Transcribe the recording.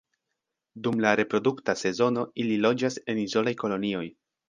Dum la reprodukta sezono ili loĝas en izolaj kolonioj.